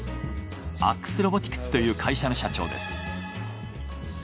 アックスロボティクスという会社の社長です。